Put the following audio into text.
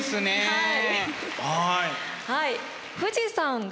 はい。